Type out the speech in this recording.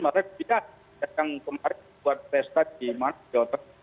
makanya kita datang kemarin buat pesta di masjid